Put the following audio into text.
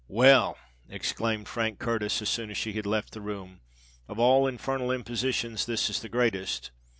"Well," exclaimed Frank Curtis, as soon as she had left the room, "of all infernal impositions this is the greatest!